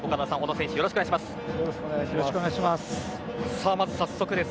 よろしくお願いします。